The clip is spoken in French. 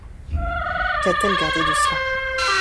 Qu'a-t-elle gardé de cela.